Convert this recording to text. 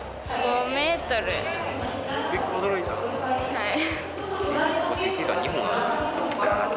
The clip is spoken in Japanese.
はい。